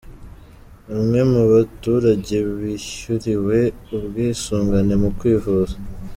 Bamwe mu baturage bishyuriwe ubwisungane mu kwivuza.